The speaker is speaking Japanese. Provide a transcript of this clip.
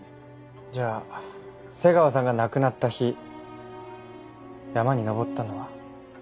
じゃあ瀬川さんが亡くなった日山に登ったのは？